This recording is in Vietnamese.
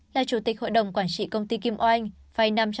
là chủ tịch hội đồng quản trị công ty kim oanh